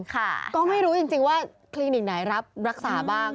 ก็ไม่รู้จริงว่าคลินิกไหนรับรักษาบ้าง